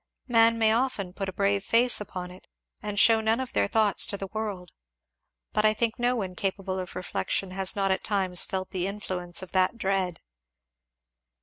Men may often put a brave face upon it and shew none of their thoughts to the world; but I think no one capable of reflection has not at times felt the influence of that dread."